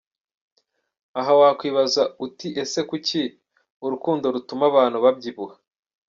Aha wakwibaza uti ese kuki urukundo rutuma abantu babyibuha?.